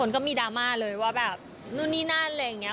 ก็มีดราม่าเลยว่าแบบนู่นนี่นั่นอะไรอย่างนี้